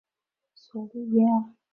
索利耶尔。